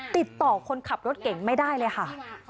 ติดต่อคนขับรถเก่งไม่ได้เลยค่ะ